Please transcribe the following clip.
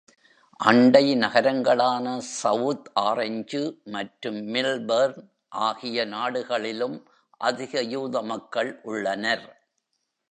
அண்டை நகரங்களான South Orange மற்றும் மில்பர்ன் ஆகிய நாடுகளிலும் அதிக யூத மக்கள் உள்ளனர்.